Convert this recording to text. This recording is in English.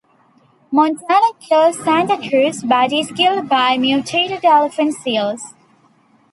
Montana kills Santa Cruz, but is killed by mutated elephant seals.